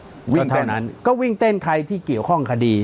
วิ่งเต้นวิ่งเต้นได้รักษาเขาวิ่งเต้นใครที่เกี่ยวข้องคดี